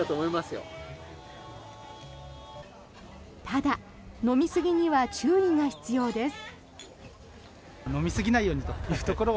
ただ、飲みすぎには注意が必要です。